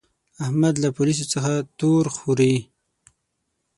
احمد له پوليسو څخه تور خوري.